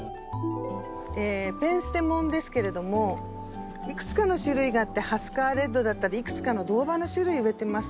ペンステモンですけれどもいくつかの種類があってハスカーレッドだったりいくつかの銅葉の種類植えてます。